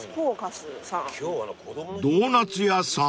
［ドーナツ屋さん？］